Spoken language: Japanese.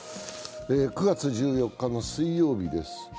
９月１４日の水曜日です。